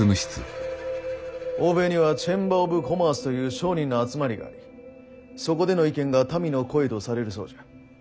欧米にはチェンバー・オブ・コマースという商人の集まりがありそこでの意見が民の声とされるそうじゃ。